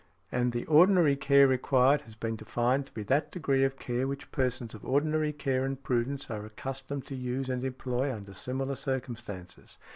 And the ordinary care required has been defined to be that degree of care which persons of ordinary care and prudence are accustomed to use and employ under similar circumstances .